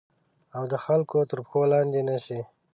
او د خلګو تر پښو لاندي نه شي